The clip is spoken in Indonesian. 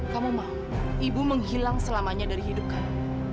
kamu mau ibu menghilang selamanya dari hidup kamu